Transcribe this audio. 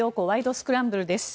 スクランブル」です。